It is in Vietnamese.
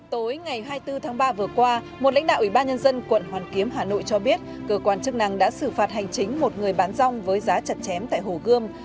tối ngày hai mươi bốn tháng ba vừa qua một lãnh đạo ủy ban nhân dân quận hoàn kiếm hà nội cho biết cơ quan chức năng đã xử phạt hành chính một người bán rong với giá chặt chém tại hồ gươm